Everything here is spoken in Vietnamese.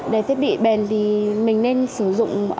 để thiết bị bền thì mình nên sử dụng